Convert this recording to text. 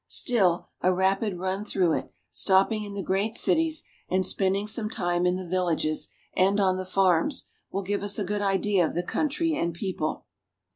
Still, a rapid run through it, stopping in the great cities, and spending some time in the villages and on the farms, will give us a good idea of the country and people.